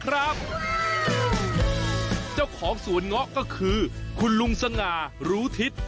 เจ้าของสวนเงาะก็คือคุณลุงสง่ารู้ทิศ